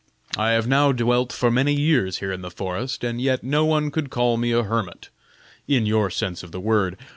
I have now dwelt for many years here in the forest, and yet no one could call me a hermit, in your sense of the word.